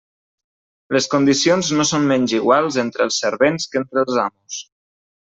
Les condicions no són menys iguals entre els servents que entre els amos.